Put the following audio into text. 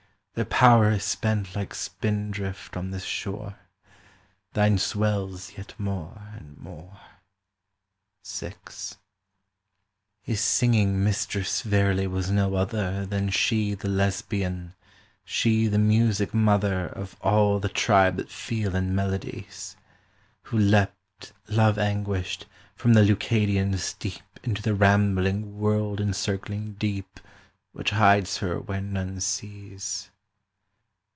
Their power is spent like spindrift on this shore; Thine swells yet more and more. VI —His singing mistress verily was no other Than she the Lesbian, she the music mother Of all the tribe that feel in melodies; Who leapt, love anguished, from the Leucadian steep Into the rambling world encircling deep Which hides her where none sees.